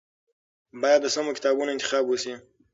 باید د سمو کتابونو انتخاب وشي.